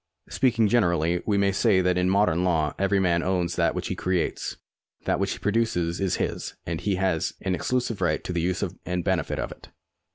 Speaking generally we may say that in modern law every man owns that which he creates. That which he produces is his, and he has an ex clusive right to the use and benefit of it.